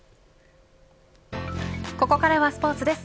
ここからスポーツです。